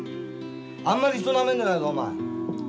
あんまり人なめんじゃないぞ、お前。